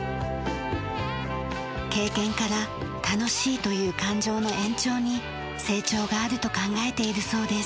経験から楽しいという感情の延長に成長があると考えているそうです。